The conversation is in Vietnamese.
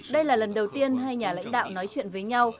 đây là lần đầu tiên hai nhà lãnh đạo nói chuyện với nhau